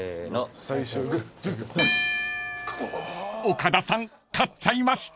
［岡田さん勝っちゃいました］